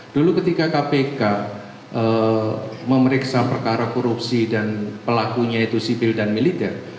dulu ketika kpk memeriksa perkara korupsi dan pelakunya itu sipil dan militer